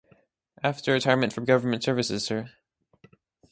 After retirement from government services, Sir.